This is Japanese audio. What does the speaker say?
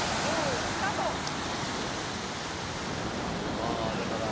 まあだから。